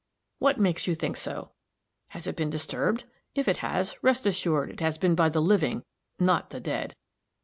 "What makes you think so? Has it been disturbed? If it has, rest assured it has been by the living, not the dead."